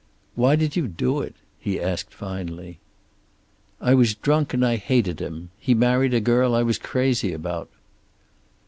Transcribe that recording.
"Why did you do it?" he asked finally. "I was drunk, and I hated him. He married a girl I was crazy about."